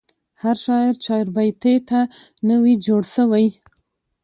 هر شاعر چاربیتې ته نه وي جوړسوی.